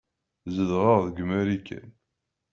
Zedɣeɣ deg Marikan.